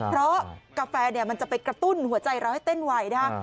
เพราะกาแฟเนี่ยมันจะไปกระตุ้นหัวใจเราให้เต้นไวนะฮะ